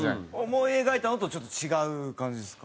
思い描いたのとちょっと違う感じですか？